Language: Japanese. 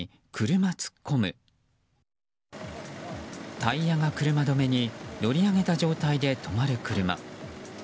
タイヤが車止めに乗り上げた状態で止まる車。